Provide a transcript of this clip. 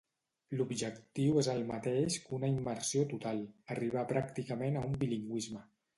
L'objectiu és el mateix que una immersió total: arribar pràcticament a un bilingüisme.